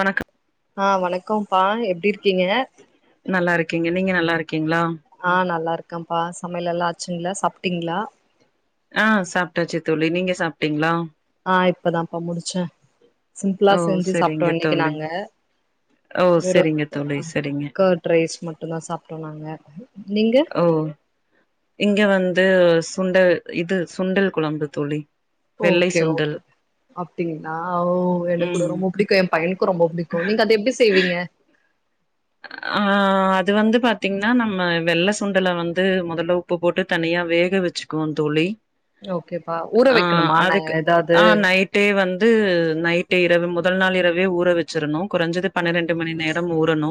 வணக்கம் ஆ வணக்கம்ப்பா எப்டி இருக்கீங்க நல்லா இருக்கேங்க நீங்க நல்லா இருக்கீங்களா ஆ நல்லா இருக்கேம்ப்பா சமையலல்லா ஆச்சுங்களா சாப்டீங்களா ஆ சாப்டாச்சு தோழி நீங்க சாப்டீங்களா ஆ இப்ப தாம்ப்பா முடிச்சே சிம்ப்ளா ஓ செஞ்சு சாப்டோ செரிங்க இன்னைக்கி தோழி நாங்க ஓ வெறு செரிங்க தோழி செரிங்க கேட் ரைஸ் மட்டு தா சாப்டோ நாங்க நீங்க ஓ இங்க வந்து சுண்டல் இது சுண்டல் கொழம்பு தோழி வெள்ளை ஓகே சுண்டல் ஓகே அப்டிங்களா ஓ எனக்கு கூட ம் ரொம்ப புடிக்கு எப் பயனுக்கு ரொம்ப புடிக்கு நீங்க அத எப்டி செய்வீங்க ஆ அது வந்து பாத்தீங்ன்னா நம்ம வெள்ள சுண்டல வந்து முதல்ல உப்பு போட்டு தனியா வேக வச்சு கோ தோழி ஓகேப்பா ஊற வைக்கணுமா நா எதாது டே வந்து நைட்டே இரவு முதல் நாள் இரவே ஊற வச்சுறணு குறஞ்சது பனிரண்டு மணி நே ரம் ஊறணு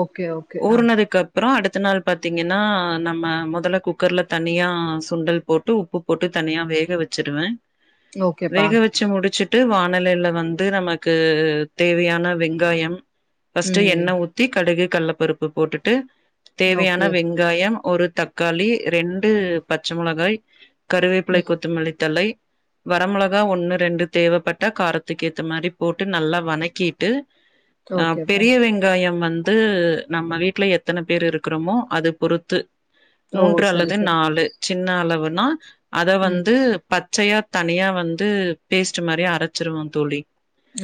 ஓகே ஓ ஊருணதுக் கப் பறோ அடுத்த நாள் பாத்தீங்கன்னா நம்ம முதல்ல குக்கர்ல தனியா சுண்டல் போட்டு உப்பு போட்டு தனியா வேக வச்சுருவே ஓகேப்பா வேக வ ச்சு முடுச்சுட்டு வானலேல வந்து நமக்கு தேவையான வெங்காயம் ஃபஸ்ட்டு எண்ண ம் ஊத்தி கடுகு கள்ளப்பருப்பு போட்டுட்டு தேவையான ஓகே வெங்காயம் ஒரு த தக்காளி ரெண்டு பச்ச முளகாய் கருவேப்பிலை ம் கொத்தமல்லித்தழை வர மொளகா ஒண்ணு ரெண்டு தேவைப்பட்டா காரத்துக்கு ஏத்த மாரி போட்டு நல்லா வனக்கிட்டு ஆ ஓகேப்பா பெரிய வெங்காயம் வந் வந்து நம்ம வீட்ல எத்தன பேர் இருக்குறமோ அது பொறுத்து ஓ மூன்ற சரி அல்லது சரி நாலு சின்ன அளவுனா அத ம் வந்து பச்சையா தனியா வந்து பேஸ்ட் மாரி அரச்சுருவோ தோழி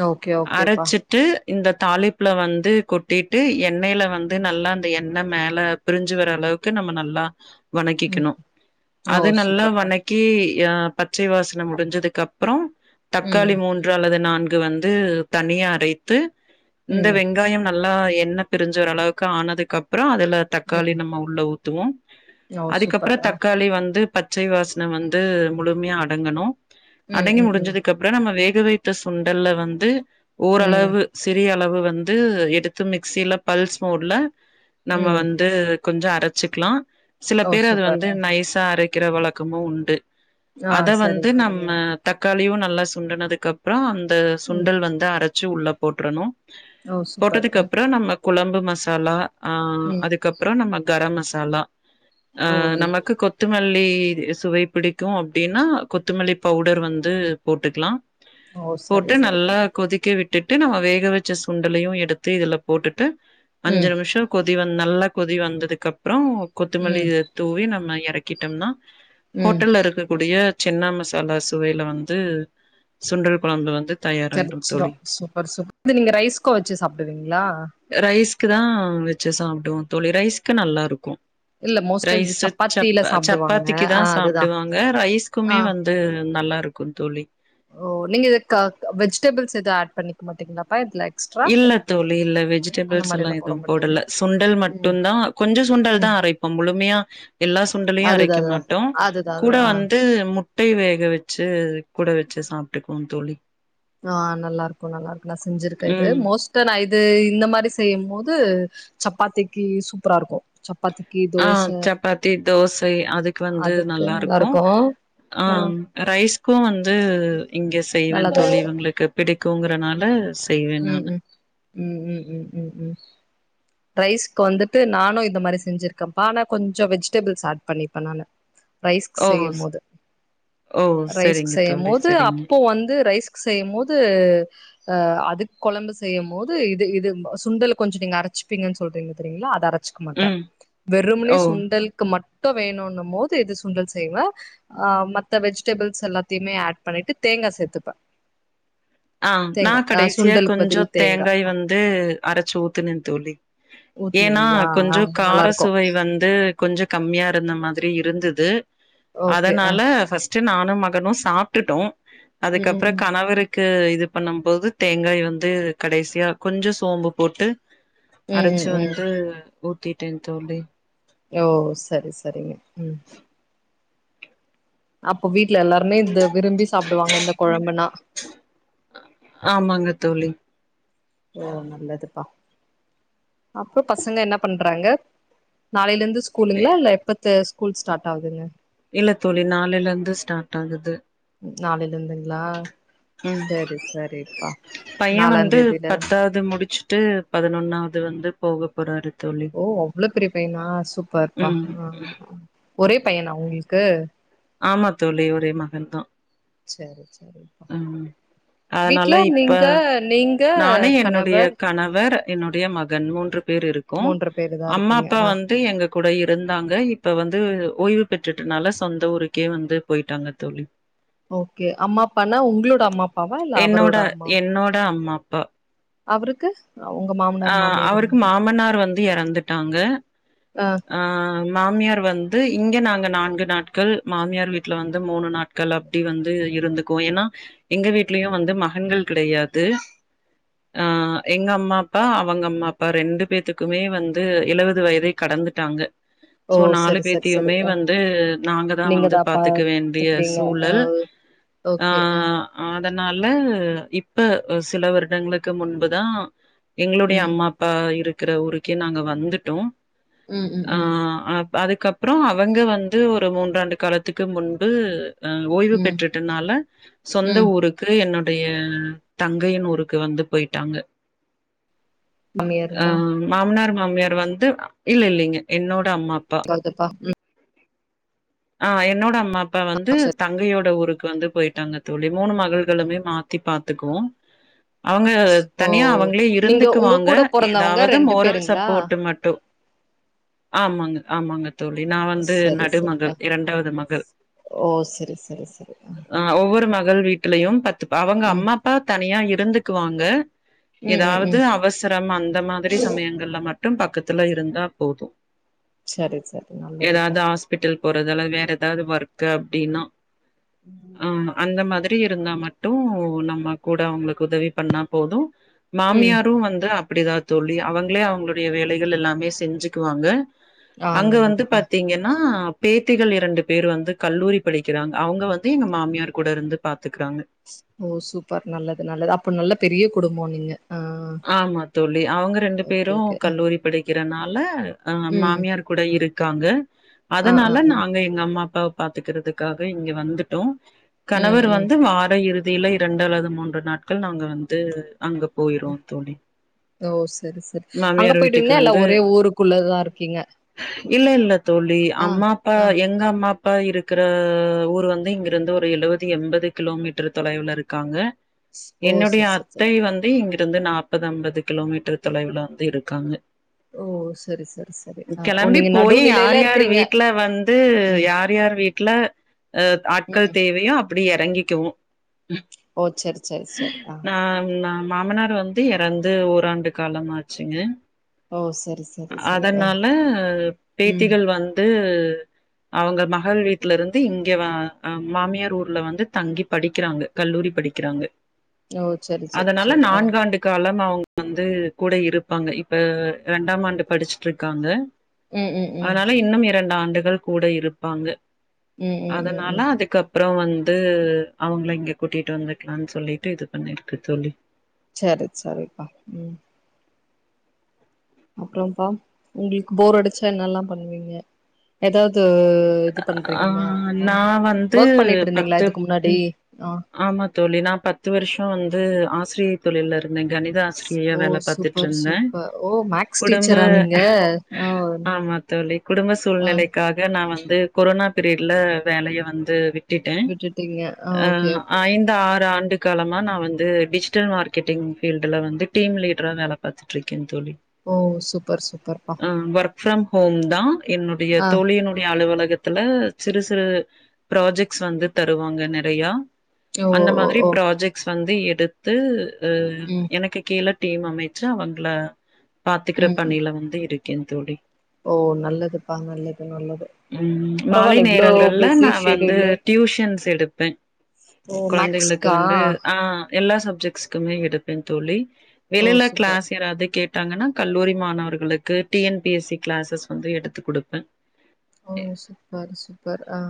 ஓகே ஓகேப்பா அரச்சுட்டு இந்த தாளிப்புல வந்து கொட் டிட்டு எண்ணேல வந்து நல்லா அந்த எண்ண மேல பிருஞ்சு வர அளவுக்கு நம்ம நல்லா ம் வணக்கிக்கணு ஓ அது நல்லா சூப்பர்ப்பா வணக் கி அ பச்சை வாசனை முடுஞ்சதுக்கு அப்பறோ ம் தக்காளி மூன் று அல்லது நான்கு வந்து தனியா அரைத்து இந்த ம் வெங்காயம் நல்லா எண்ண பிருஞ்சு வர அளவுக்கு ஆனதுக்கு அப்பறோ அதுல ம் தக்காளி நம்ம உள்ள ஊத்துவோ ஓ அதுக்கப்பற சூப்பர் ஆ தக்காளி வந்து பச்சை வாசன வந்து முழுமையா அடங்கணு ம் அடங்கி ம் ம் முடுஞ்சது கப்பற நம்ம வேக வைத்த சுண்டல்ல வந்து ம் ஓரளவு சிறிய அளவு வந்து எ எடுத்து மிக்சில பல்ஸ் மோட்ல நம்ம ம் வந்து கொஞ்ச அரச்சுக்கலா சில ஓ பேர் அத சூப்பர் வந்து ஆ நைசா அரைக்கிற வழக்கமு உண்டு ஆ அத சரி வந்து சரிங்க நம்ம தக்காளியு நல்லா சுண்டனுதுக்கு அப்பறோ அந்த ம் சுண்டல் வந்து அரச்சு உள்ள போட்ரணு ஓ சூப்பர் போட்டதுக்கு ஆ அப்பற நம்ம குழம்பு மசாலா ஆ ம் அதுக்கப் ப்பற நம்ம கர மசாலா அ ஓ நமக்கு கொ கொத்தமல்லி சுவை புடிக்கு அப்டின்னா கொத்தமல்லி பவுடர் வந்து போட்டுக்லா ஓ சரி போட்டு சரிங்க நல்லா கொதிக்க விட்டுட்டு நம்ம வேக வச்ச சுண்டலையு எடு த்து இதுல போட்டுட்டு அஞ்சு ம் நிமிஷ கொதி வந்து நல்லா கொதி வந்ததுக்கப்றோ கொத்தமல்லி ம் தூவி நம்ம எறக்கிட்டம்னா ம் ஹோட்டல்ல இருக்கக்கூடிய சின்னா மசாலா சுவைல வந்து சுண்டல் கொழம்பு வந்து தயாராயிரும் கெடச்சுரு தோழி. சூப்பர் சூப்பர் இது நீங்க ரைஸ்கு வச்சு சாப்டுவீங்களா ரைஸ்க் தா வச்சு சாப்டுவோ தோழி ரைஸ்க்கு நல்லாருக்கு இல்ல மோஸ்ட்டா இது ரைஸ்ஸு சப் சப்பாத்தில சாப்டுவாங்க சப்பாத்திக்கு ஆ தா அதுதா சாப்டுவாங்க ஆ ரைஸ்குமே வந் து நல்லாருக்கு தோழி ஓ நீங்க இது க வெஜிடபிள்ஸ் எது ஆட் பண்ணிக்க மாட்டீங்களாப்பா இதுல எக்ஸ்ட்ரா இல்ல தோழி இல்ல அந்த வெஜிடபிள்ஸ் மாரி எல்லா எது போட மாட்டீங்க போடல சுண்டல் ம் மட்டுந்தா கொஞ்ச சுண்டல் தா ம் அரை அ முழுமையா எல்லா சுண்டலையு அதுதா அரைக்க அதுதா மாட்டோ அதுதா கூட அதுதா ஆ வந்து மு முட்டை வேக வச்சு கூட வச்சு சாப்ட்டுக்குவோ தோழி ஆ நல்லாருக்கு நல்லாருக்கு நா செஞ்சுருக்கே இது ம் மோஸ் டா இது இந்த மாரி செய்யம் போது சப்பாத்திக்கி சூப்பரா இருக்கு சப்பாத்திக்கி ஆ சப்பாத்தி தோசை அதுக்கு வந்து அதுக்கு நல்லா நல்லாருக்கூ இருக்கு ஆ ரைஸ்க்கூ வந்து இங்கே செய்வேன் நல்லாதா தோழி இருக்கு இவுங்குளுக்கு பிடிக்கூங்கறனால ஸ் ம் ம் ம் ம் ம் ம் ம் ரைஸ்க்கு வந்துட்டு நானூ இந்த மாரி செஞ்சிருக்கப்பா ஆனா கொஞ்சொ வெஜிடபிள்ஸ் ஆட் பண்ணிப்பே நானு [inaudible] ரைஸ்கு ஓ செய்யம் போது ஓ ரைஸ்க்கு சரிங்க செய்யம் தோழி போது சரிங்க அப்போ வந்து ரைஸ்க் செய்யம்மோது அதுக்கு கொழம்பு செய்யும் மோது இது இது சுண்டல கொஞ்சொ நீங்க அரைச்சுப்பீங்கன் சொல்றீங்க தெரியிங்ளா அத அர ச்சுக்க மாட்ட ம் வெறும்மனே ஓ சுண்டலுக்கு மட்டு வேணுனும் போது எது சுண்டல் செய்வே ஆ மத்த வெஜிடெபிள்ஸ் எல்லாத்தையுமே ஆட் பண்ணிட்டு தேங்கா சேத்துப்ப ஆ நா கடைசியா சுண்டலுக்கு கொஞ்சொ பதில் தேங்கா தேங்காய் வந்து அரச்சு ஊத்துனே தோழி ஏன்னா ஊத்துனீங்களா ஆ கொஞ்சோ நல்லா கார இருக்கு சுவை வந்து கொஞ்சொ கம்மியா இருந்த மாதிரி இருந்தது ஓகே ஆ அதனால ஃபஸ் ட்டு நானும் மகனு சாப்ட்டுட்டோ ம் ம் அதுக்கப்புற கணவருக் க்கு இது பண்ணம் போது தேங்காய் வந்து கடைசியா கொஞ்சொ சோம்பு போட்டு ம் ம் அரச்சு ம் ம் வந்து ஊத்திட்டேன் தோழி எ ஓ சரி சரிங்க ம் அப்ப வீட்ல எல்லாருமே இந்த விரும்பி சாப்டுவாங்க இந்த கொழம்புன்னா ஆமாங்க தோழி ஓ நல்லதுப்பா அப்புறொ பசங்க என்ன பண்றாங்க நாளையிலருந்து ஸ்கூலுங்களா இல்ல எப்பத்த ஸ்கூல் ஸ்டார்ட் ஆகுதுங்க இல்ல தோழி நாளைலந்து ஸ்டார்ட் ஆகுது நாளையிலந்துங்ளா சரி சரி பையன் வந்து பத்தாவ்து முடிச்சுட்டு பதினொன்னாவது வந்து போக போறாரு தோழி ஓ அவ்ளோ பெரிய பையனா சூப்பர்ப்பா ம் அ ஒரே பையனா உங்கள்க்கு ஆமா தோழி ஒரே மகன் தா சரி சரிப்பா ம் அதனால வீட்ல இப்ப நீங்க நீங்க நானு என்னுடைய கணவர் கணவர் என்னுடைய மகன் மூன்று பேர் இருக் க்கோ மூன்று பேரு தா அம்மா இருக்கீங்க அப்பா ஆ வந்து எங்க கூட இருந்தாங்க இப்ப வந்து ஓய்வு பெற்றுறனால சொந்த ஊருக் க்கே வந்து போய்ட்டாங்க தோழி ஓகே அம்மா அப்பானா உங்ளோட அம்மா அப்பாவா இல்ல என்னோட அவரோட அம்மா என்னோட அம்மா அப்பா அவுருக்கு அ உங்க மாம் அ அவருக்கு மாமனார் வந்து எறந்துட்டாங்க ஆ அ மாமியார் வந்து இங்க நாங்க நான்கு நாட்கள் மாமியார் வீட்ல வந்து மூணு நாட் க்கள் அப்டி வந்து இருந்துக்குவோ ஏன்னா எங்க வீட்லயு வந்து மகன்கள் கிடையாது ஆ எங்க அம்மா அப் ப்பா அவங்க அம்மா அப்பா ரெண்டு பேத்துக்குமே வந்து எழுவது வயதை கடந்துட்டாங்க ஓ சோ நாலு சரி சரி சரி பேத்தயுமே ஆ வந்து நாங்கதா நீங்க வந்து தா பாத்துக்க வேண்டிய பாத்துக்கிறீங்க ஆ சூழல் ஆ ஓகே அ அதனால இப்ப சில வருடங்களுக்கு முன்புதா எங்களுடைய ம் அம்மா அப்பா இருக்கிற ஊருக்கே நாங்க வந்துட்டோ ம் ம் அ ம் அதுக்கப்றோ அவங்க வந்து ஒரு மூன்றாண்டு காலத்துக்கு முன்பு அ ஓய்வு ம் பெற்றற்றுனால சொந்த ம் ஊருக் கு என்னுடைய தங்கையின் ஊருக்கு வந்து போயிட்டாங்க அ மாமியாருங்களா மாமனார் மாமியார் வந்து இல்ல இல்லேங்க என்னோட அம்மா அப்பா [unintelligible] ஆ என்னோட அம்மா அப்பா வந்து தங்கையோட ஊருக்கு வந்து போயிட்டாங்க தோழி மூணு மகள்களுமே மாத்தி பாத்துக்குவோ அவங்க ஓ தனியா அவங்களே நீங்க உங்க இருந்துக்குவாங்க கூட பொறந்தவங்க ஏதாவது ரெண்டு மோரல் பேருங்களா சப்போர்ட்டு மட்டு ஆமாங்க ஆமாங்க தோழி நா வந்து சரி சரி நடுமகள் இரண்டாவது மகள் ஓ சரி சரி சரி ஆ ஒவ்வொரு மகள் வீட்டுலயு பத்து அவங்க ம் அம்மா அப்பா தனியா இருந்துக்குவாங்க ம் ம் ஏதாவது ம் அவசரம் அந்த மாதிரி சமயங்க கள்ள மட்டு பக்கத்தில இருந்தா போது சரி சரி நல்லதுப்பா ஏதாவது ஹாஸ்பிட்டல் போறதால வேற எதாவது ஒர்க் அப்டினா ஆ அந்த மாதி ரி இருந்தா மட்டு நம்ம கூட அவங்களுக்கு உதவி பண்ணா போது ம் மாமியாரு வந்து அப்டிதா தோழி அவங்களே அவங்களுடைய வேலைகள் எல்லாமே செஞ்சுக்குவாங்க ஆ அங்க வந்து நல்லதுப்பா பாத்தீங்கன்னா பேத்திகள் இரண்டு பேர் வந்து கல்லூரி படிக்கிறாங்க அவங்க வந்து எங்க மாமியார் கூட இருந்து பாத்துக்கிறாங்க ஓ சூப்பர் நல்லது நல்லது அப்ப நல்ல பெரிய குடும்ப நீங்க ஆ ஆமா தோழி அவங்க ரெண்டு ஓகே பேரு ஓகே கல்லூரி படிக்கிறனால அ ம் மாமியார்க் கூட இருக்காங்க ஆ ஆ அதனால ஆ நாங்க எங்க அம்மா அப்பா பாத்துக்கிறதுக்காக இங்க வந்துட்டோ ம் கணவர் ம் வந்து வார இறு தில இரண்டு அல்லது மூன்று நாட்கள் நாங்க வந்து அங்க போயிருவோ தோழி ஓ சரி சரி அங்க மாமியார் வீட்டுக்கு போய்டுவீங்ளா எல்லா வந்து ஒரே ஊருக்குள்ளதா இருக்கீங்க இல்ல இல்ல தோழி ஆ அம்மா அப்ப ஆ எங்க அம்மா அப்பா இருக்கிற ஊர் வந்து இங்கிருந்து ஒரு எழுவது எம்பது கிலோமீட்டர் தொலைவுல இருக் காங்க ஓ என்னுடைய சரி சரி சரி அத்தை வந்து இங்க டுந்து நாப்பது ஐம்பது கிலோமீட்டர் தொலைவுல வந்து இருக்காங்க ஓ சரி சரி சரி ஆ ஓ கிளம்பி நீங்க போய் யார் நடுநிலையில யார் இருக்கிறீங்க வீட்ல வந்து ம் யார் இப்ப யார் வீட்ல அ ஆட்கள் ம் தேவையோ அப்பிடி இறங்கிக்குவோ ஓ சரி சரி சரி ஆ நாம் நா மாமனார் வந் து இறந்து ஓராண்டு காலமாச்சுங்க ஓ சரி சரி சரி ஆ அதனால ம் பேத்திகள் வந்து அவங்க மகள் வீட்ல இருந்து இங்க மாமியார் ஊர்ல வந்து தங்கி படிக்கிறாங்க கல்லூரி படிக்கிறாங்க ஓ சரி சரி அதனால சரி ஆ நான்காண்டு காலம் அவங்க வந்து கூட இருப்பாங்க இப்ப ரெண்டாம் ஆண்டு படிச்சிட்ருக்காங்க ம் ம் ம் அதனால இன்னும் இரண்டு ஆண்டுகள் கூட இருப்பாங்க ம் ம் ம் அதனால ம் அதுக்கப் ப்புற வந்து அவுங்ள இங்க கூட்டிட்டு வந்துக்கலான் சொல்லிட்டு இது பண்ணிருக்கு தோழி செரி சரிப்பா ம் அப்புறம்ப்பா உங்களுக்கு போர் அடிச்சா என்னல்லா பண்ணுவீங்க ஏதாவ்து து இது ஆ பண்றீங்ளா நா வந்து ஒர்க் பண்ணிட்ருந்தீங்ளா பத்து இதுக்கு முன்னாடி ஆமா தோழி நா பத்து வருஷ வந்து ஆசிரிய தொழில்ல இருந்தேங்க கணித ஆசிரியையா ஓ வேல சூப்பர் பாத்துட்ருந்தே சூப்பர் ஓ மேக்ஸ் குடும்பு டீச்சரா நீங்க ஆ ஆமா தோழி குடும்ப ஆ சூழ்நிலைக்கா நா வந்து கொரோனா பீரியட்ல வேலய வந்து விட் விட்டுட்டீங்க ஆ ஓக்கே ஓக்கே இந்த ஆறு ஆண்டு காலம்மா நா வந்து டிஜ்ட்டல் மார்க்கெட்டிங் ஃபீல்டுல வந்து டீம் லடரா வேல பாத்துட்ருக்கே தோழி ஓ சூப்பர் சூப்பர்ப்பா அ ஒர்க் ப்ஃறம் ஹோம் தா என்னுடைய ஆ தோழிலினுடைய அலுவலகத் த்துல அலுவலகத்துல சிறு சிறு ப்ராஜெக்ட்ஸ் வந்து தருவாங்க நெறையா ஓ அந்த ஓ மாதிரி ஓ ப்ராஜெக்ட்ஸ் வந்து எடுத்து அ ம் எனக்கு கீழ டீம் அமைச்சு அவங்கள பாத்துக்குற ம் பணியில வந்து இருக்கே தோழி ஓ நல்லதுப்பா நல்லது நல்லது ம் மாலை பரவால்ல இவ்ளோ நேரங்கள்ல பிஸி நா வந்து ஷெடியூல்ல டியூஷன்ஸ் எடுப்பே ஓ கொழந்தைகளுக்கு மேக்ஸ்கா வந்து ஆ எல்லா சப்ஜெக்ட்ஸ்க்குமே எடுப்பே தோழி ஓ வெளியில சூப்பர் கிளாஸ் யாராவ்து கே ட்டாங்கன்னா கல்லூரி மாணவர்களுக்கு T N P S C classes வந்து எடுத்து கொடுப்பே ஓ சூப்பர் சூப்பர் ஆ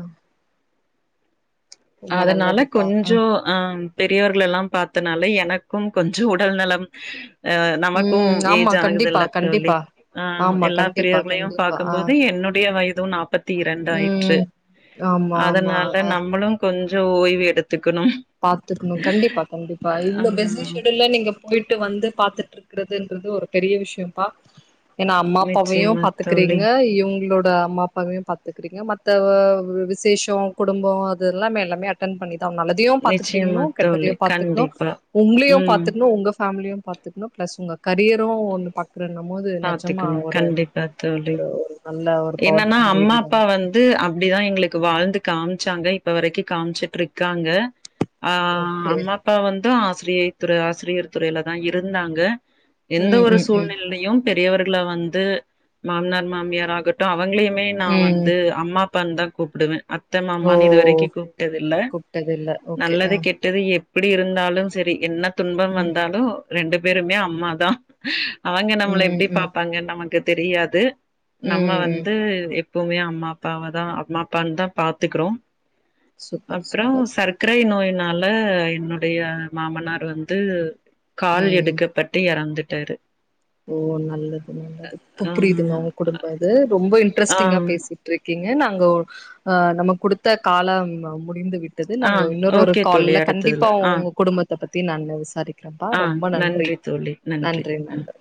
ரொம்ப அதனால நல்லதுப்பா ஆ கொஞ்சொ அ பெரியவர்களெல்லா பாத்தனால எனக்கும் கொஞ்சொ உடல் நலம் ஆ நமக்கு ம் ஆமா ஏஜ் கண்டிப்பா ஆகுதல்ல தோழி கண்டிப்பா ஆ ஆமா எல்லா கண்டிப்பா பெரியவர்களையு கண்டிப்பா ஆ பாக்கும்போது என்னுடைய வயது நாப்பத் த்தி ரெண்டாயிற்று ம் ஆமா ஆமா அதனால ஆ நம்மளு கொஞ்சொ ஓய்வு எடுத்துக்கணு பாத்துக்ணு கண்டிப்பா கண்டிப்பா இவ்வளோ பெஸி ஷெடியூல்ல நீங்கப் வீட்டு போய்ட்டு வந்து பாத்துட்ருக்கிறதுன்றது ஒரு பெரிய விஷயம்ப்பா என்னா அம்மா அப்பாவையு நிச்சயமா தோழி, பாத்துக்கறீங்க இவுங்களோட அம்மா அப் ப்பாவ்யு பாத்துக்கிறீங்க மத்த விசேஷொ குடும்பொ அதுெல்லாம எல்லாமே ட்டன் பண்ணிதாஆவுன் நல்லதியு பாத்துக்னு நிச்சயமா தோழி. கெட்டதயு பாத்துக்ணு கண்டிப்பா. உங்க்ளுயு ம். பாத்துக்னு ப்றொஉங்க ஃபேம்லியு பாத்துக்ணு பிளஸ் உங்க கரியரு வந்து பாக் அப்புற நம்மது நஜம்மா பார்த்துக்கணும். ஒரு கண்டிப்பா தோழி. ஒரு ஒரு நல்ல ஒரு என்னன்னா பவர்ஃபுல் அம்மா வேடி அப்பா தான வந்து அப்டிதா எங்களுக்கு வாழ்ந்து காம்ச்சாங்க இப்ப வரைக்கு காம்ச்சுட்ருக்காங்க ஆ ஓகே அம்மா அப்பா வந்து ஆசிரியை துறை ஆசிரியர் துறையிலதா இருந்தாங்க எந்த ம் ஒரு ம் ம் சூழ்நிலையில்லையு பெரியவர்கள வந்து மாமனார் மாமியார் ஆகட்டு அவங்களையுமே நா ம் வந்து அம்மா அப்பான் தா கூப்பிடுவே அத்த ஓ மாமான்னு இதுவரைக்கு கூப்பிட்டது இல்ல கூப்ட்டது இல்ல ஓகே ஆ நல்லது கெட் ட்டது எது எப்டி இருந்தாலும் செரி என்ன ம் துன்பவந்தாலு ரெண்டு பேருமே அம்மா தா அவங் நம்ள ம் எப்படி ம் ம் பாப்பாங்கன்னு நமக்கு தெரியாது நம்ம ம் ம் வந்து எப் எப்பொமே அம்மா அப்பாவ தா அம்மா அப்பான் தா பாத்துக்கறோ சூப்பர் அப்பற சூப்பர் சருக் க்கரை நோயினால என்னுடைய மாமனார் வந்து கால் ம் எடுக்கப்பட்டு எறந்துட்டாரு ஓ நல்லது நல்லது இப்ப ஆ புரியுதுங்க ஒங்க குடும்பொ இது ரொம்ப ஆ இன்ட்ரெஸ்டிங்கா பேசி ட்ருக்கீங்க நாங்க ஆ நம்ம குடுத்த காலம் முடிந்து விட் டது ஆ நாங்க இன்னொரு ஒரு ஓகே தோழி கால்ல அடுத்ததுல கண்டிப்பா ஆ ஒங்க குடும்பத்த பத்தி நானு விசாரிக் க்கிறப்பா ஆ ரொம்ப நன்றி தோழி நன்றி ம் நன்றி